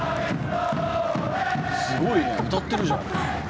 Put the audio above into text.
すごいね歌ってるじゃん。